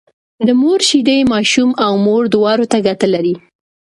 د مور شيدې ماشوم او مور دواړو ته ګټه لري